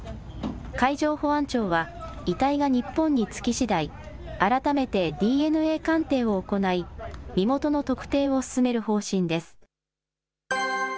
海上保安庁は、遺体が日本に着きしだい、改めてＤＮＡ鑑定を行い、身元の特定を進める方針です。